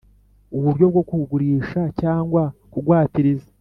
Uburyo bwo kugurisha cyangwa kugwatiriza